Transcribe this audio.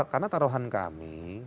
karena taruhan kami